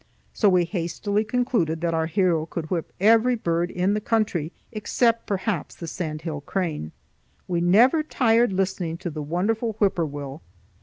So we hastily concluded that our hero could whip every bird in the country except perhaps the sandhill crane. We never tired listening to the wonderful whip poor will.